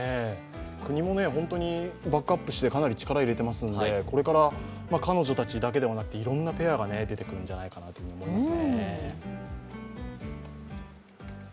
国もバックアップしてかなり力入れてますんでこれから彼女たちだけではなくていろんなペアが出てくるんじゃないかと思います。